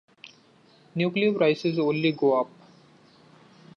Nuclear prices only go up.